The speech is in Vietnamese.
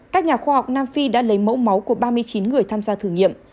các nhà khoa học nam phi đã lấy mẫu máu của ba mươi chín người tham gia thử nghiệm